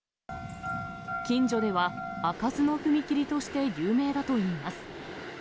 近所では開かずの踏切として有名だといいます。